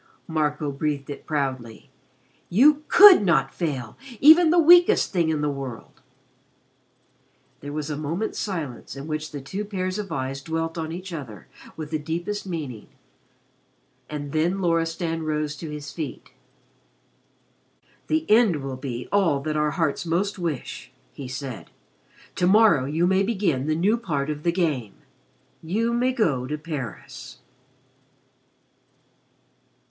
Marco breathed it proudly. "You could not fail even the weakest thing in the world." There was a moment's silence in which the two pairs of eyes dwelt on each other with the deepest meaning, and then Loristan rose to his feet. "The end will be all that our hearts most wish," he said. "To morrow you may begin the new part of 'the Game.' You may go to Paris."